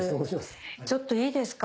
ちょっといいですか？